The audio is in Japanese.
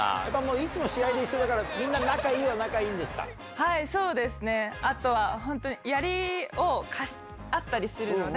いつも試合で一緒だから、みんなはい、そうですね、あとは本当にやりを貸し合ったりするので、